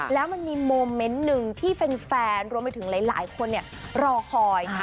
แล้วมันมีโมเมนต์หนึ่งที่แฟนรวมไปถึงหลายคนรอคอย